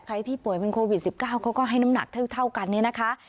ที่ป่วยเป็นโควิด๑๙เขาก็ให้น้ำหนักเท่ากันเนี่ยนะคะ